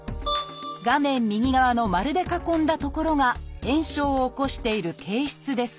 画面右側の丸で囲んだ所が炎症を起こしている憩室です